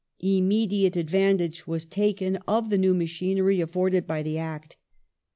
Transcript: Immediate advantiige w^is taken of the new machinery afforded by the Act.